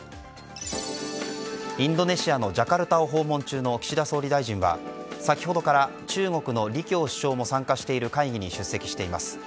インドネシアのジャカルタを訪問中の岸田総理大臣は先ほどから中国の李強首相も参加している会議に出席しています。